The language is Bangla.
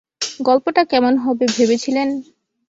গল্পটা কেমন হবে ভেবেছিলেন?